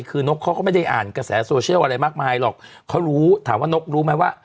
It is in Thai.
คือนกเขาก็ไม่ได้อ่านกระแสโซเชียลอะไรมากมายหรอกเขารู้ถามว่านกรู้ไหมว่า